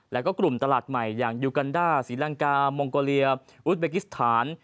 แล้วก็กลุ่มตลาดใหม่อย่างยูกันด้าศรีลังกามองโกเลียอุทเบกิสถาน